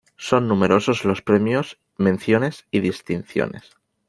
Son numerosos los premios, menciones y distinciones.